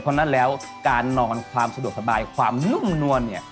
เพราะฉะนั้นแล้วการนอนความสะดวกสบายความนุ่มนวลเนี่ย